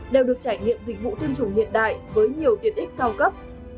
đều được trải nghiệm dịch vụ tiêm chủng hiện đại với nhiều tiện ích cao cấp